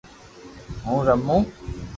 ھون رمو